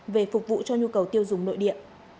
về phục vụ cho nhu cầu tiêu dùng nội địa